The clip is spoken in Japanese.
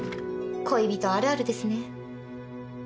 恋人あるあるですね。